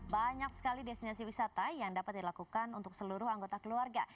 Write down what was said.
banyak sekali destinasi wisata yang dapat dilakukan untuk seluruh anggota keluarga